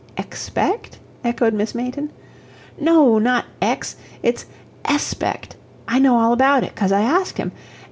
"Expect?" echoed Miss Mayton. "No, not 'ex,' it's ES spect. I know all about it, 'cause I asked him.